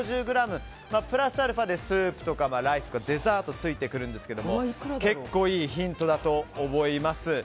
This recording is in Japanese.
プラスアルファでスープやライスデザートがついてくるんですが結構いいヒントだと思います。